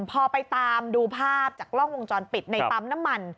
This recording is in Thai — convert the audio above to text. พอไปตามดูภาพจากกล้องวงจรปิดในปั๊มน้ำมัน